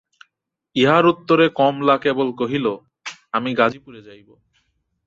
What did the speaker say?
ইহার উত্তরে কমলা কেবল কহিল, আমি গাজিপুরে যাইব।